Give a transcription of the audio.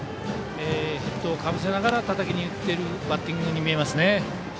ヘッドをかぶせながらたたきにいっているバッティングに見えますね。